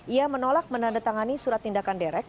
ia menolak menandatangani surat tindakan derek